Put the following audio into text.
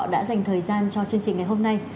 đã dành thời gian cho chương trình ngày hôm nay